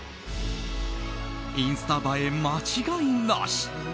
インスタ映え間違いなし